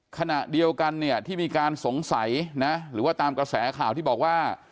ขณะเดียวกันเนี่ยที่มีการสงสัยนะหรือว่าตามกระแสข่าวที่บอกว่า